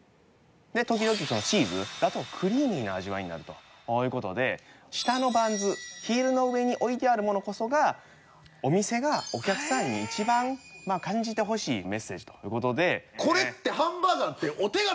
で時々チーズだとクリーミーな味わいになるという事で下のバンズヒールの上に置いてあるものこそがお店がお客さんに一番感じてほしいメッセージという事で。